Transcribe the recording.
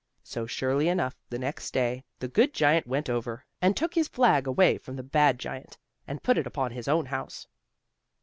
So, surely enough, the next day, the good giant went over and took his flag away from the bad giant, and put it upon his own house.